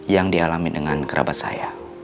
yang dialami dengan kerabat saya